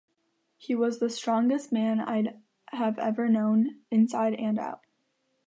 He was the strongest man I have ever known, inside-and-out.